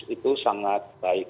itu sangat baik